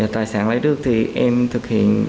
tài sản lấy được thì em thực hiện